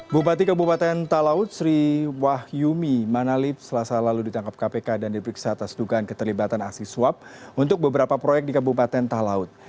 bupati kabupaten talaut sri wahyumi manalip selasa lalu ditangkap kpk dan diperiksa atas dugaan keterlibatan aksi suap untuk beberapa proyek di kabupaten talaut